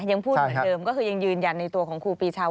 ยังพูดเหมือนเดิมก็คือยังยืนยันในตัวของครูปีชา